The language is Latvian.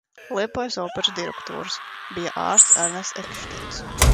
Liepājas operas direktors bija ārsts Ernests Ekšteins.